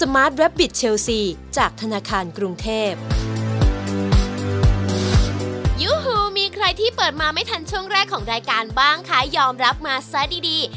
ยูฮูมีใครที่เปิดมาไม่ทันช่วงแรกของรายการบ้างคะยอมรับมาซะดีดี